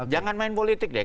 jangan main politik deh